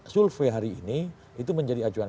survei hari ini itu menjadi acuan